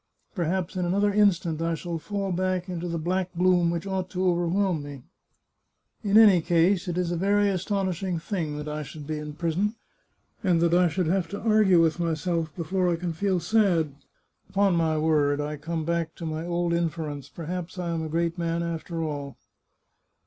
Perhaps in another instant I shall fall into the black gloom which ought to overwhelm me ?" In any case, it is a very astonishing thing that I should be in prison, and that I should have to argue with myself before I can feel sad. Upon my word, I come back to my old inference ; perhaps I am a great man, after all